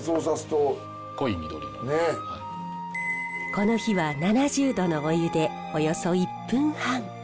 この日は７０℃のお湯でおよそ１分半。